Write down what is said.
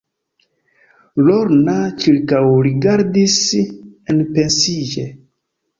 Lorna ĉirkaŭrigardis enpensiĝe.